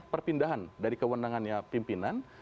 perpindahan dari kewenangannya pimpinan